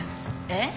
えっ？